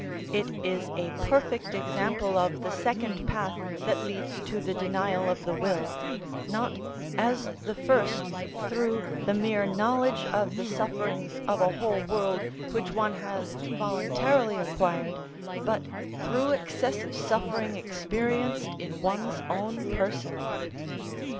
It is a perfect example of the second path that leads to the denial of the will, not, as the first, through the mere knowledge of the sufferings of a whole world which one has voluntarily acquired, but through excessive suffering experienced in one's own person.